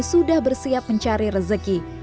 sudah bersiap mencari rezeki